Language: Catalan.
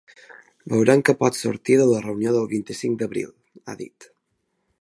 Veurem què pot sortir de la reunió del vint-i-cinc d’abril, ha dit.